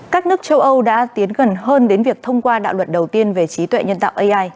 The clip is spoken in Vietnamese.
các nước châu âu đã tiến gần hơn đến việc thông qua đạo luật đầu tiên về trí tuệ nhân tạo ai